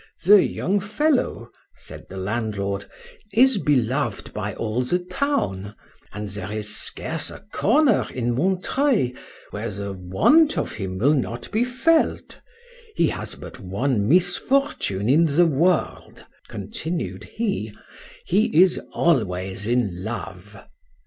—The young fellow, said the landlord, is beloved by all the town, and there is scarce a corner in Montreuil where the want of him will not be felt: he has but one misfortune in the world, continued he, "he is always in love."